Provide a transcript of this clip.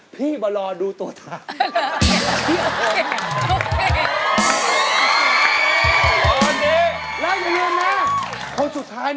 พี่บรรลดูตัวตา